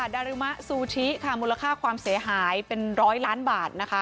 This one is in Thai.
ดาริมะซูชิค่ะมูลค่าความเสียหายเป็นร้อยล้านบาทนะคะ